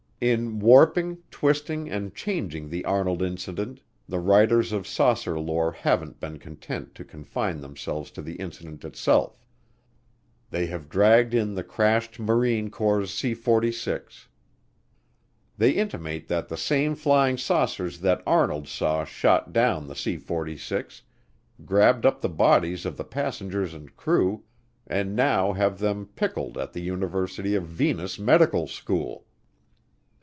In warping, twisting, and changing the Arnold incident, the writers of saucer lore haven't been content to confine themselves to the incident itself; they have dragged in the crashed Marine Corps' C 46. They intimate that the same flying saucers that Arnold saw shot down the C 46, grabbed up the bodies of the passengers and crew, and now have them pickled at the University of Venus Medical School.